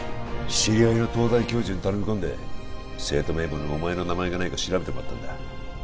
知り合いの東大教授に頼み込んで生徒名簿にお前の名前がないか調べてもらったんだ